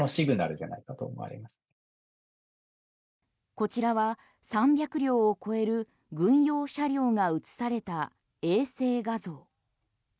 こちらは３００両を超える軍用車両が写された衛星画像。